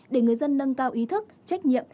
để người dân nâng cao ý thức trách nhiệm